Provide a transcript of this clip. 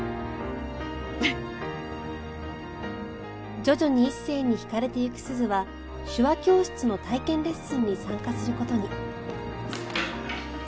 徐々に一星にひかれていく鈴は手話教室の体験レッスンに参加する事に